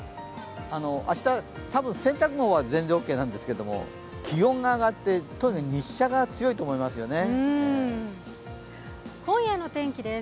明日、多分洗濯ものは全然オッケーなんですけど気温が上がって、日射が強いと思いますね。